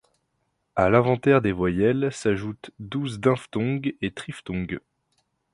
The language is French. À l'inventaire des voyelles, s'ajoutent douze diphtongues et triphtongues.